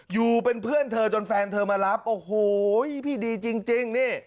อยู่เป็นเพื่อนเธอจนแฟนเธอมารับโอ้โหพี่ดีจริงนี่